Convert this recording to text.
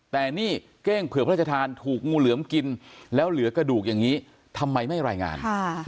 แต่นี่เก้งเผื่อพระราชทานถูกงูเหลือมกินแล้วเหลือกระดูกอย่างนี้ทำไมไม่รายงาน